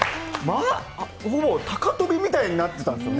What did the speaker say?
ほぼ高飛びみたいになってたんですよ。